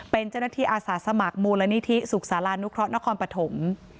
เป็นเจ้าหน้าที่อาสาสมัครมูลนิธิสุขศาลานุเคราะหนครปฐม